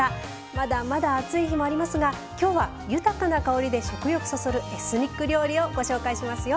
まだまだ暑い日もありますが今日は豊かな香りで食欲そそるエスニック料理をご紹介しますよ。